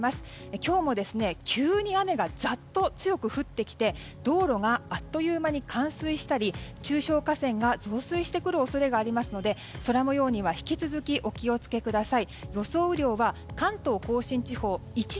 今日も、急に雨がザっと強く降ってきて道路があっという間に冠水したり中小河川が増水する恐れがありますので空模様には引き続きお気をつけください。